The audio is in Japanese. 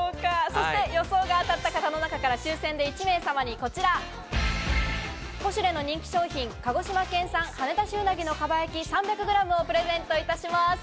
予想が当たった方の中から抽選で１名様にこちら、ポシュレの人気商品「鹿児島県産はねだし鰻の蒲焼３００ｇ」をプレゼントいたします。